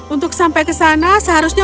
untuk sampai ke sana seharusnya